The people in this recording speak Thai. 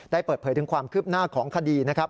เปิดเผยถึงความคืบหน้าของคดีนะครับ